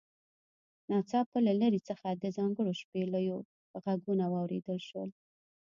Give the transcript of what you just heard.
ناڅاپه له لرې څخه د ځانګړو شپېلیو غږونه واوریدل شول